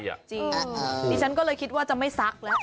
จริงดิฉันก็เลยคิดว่าจะไม่ซักแล้ว